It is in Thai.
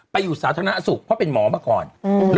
ผมต้องไปเป็นนายก